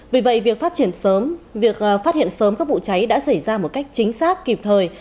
vì vậy việc phát triển sớm việc phát hiện sớm các vụ cháy đã xảy ra một cách chính xác kịp thời